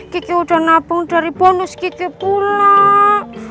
kiki udah nabung dari bonus kiki pulak